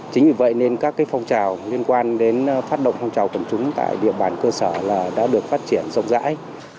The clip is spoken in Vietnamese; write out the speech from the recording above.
chính vì vậy nên các phong trào liên quan đến phát động phong trào tầm chúng tại địa bàn cơ sở đã được phát triển rộng rãi